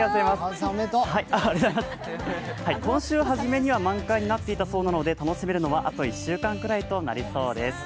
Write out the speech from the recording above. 今週初めには万回になっていたそうなので、楽しめるのはあと１週間くらいとなりそうです。